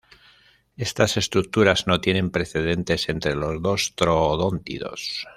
Estas estructuras no tienen precedentes entre los troodóntidos.